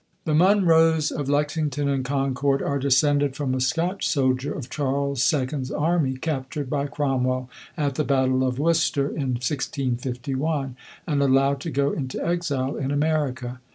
The Munroes of Lexington and Concord are descended from a Scotch soldier of Charles II.'s army, captured by Cromwell at the battle of Worcester in 1651, and allowed to go into exile in America.